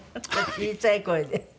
小さい声で。